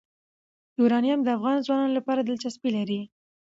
یورانیم د افغان ځوانانو لپاره دلچسپي لري.